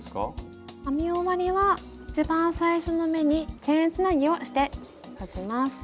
編み終わりは一番最初の目にチェーンつなぎをしておきます。